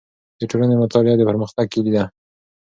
د ټولنې مطالعه د پرمختګ کیلي ده.